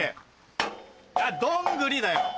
どんぐりだよ。